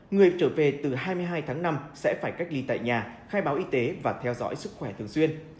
người trở về từ hai mươi hai tháng năm sẽ phải cách ly tại nhà khai báo y tế và theo dõi sức khỏe thường xuyên